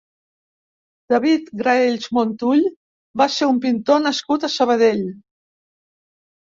David Graells Montull va ser un pintor nascut a Sabadell.